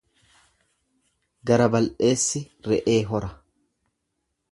Gara bal'eessi re'ee hora.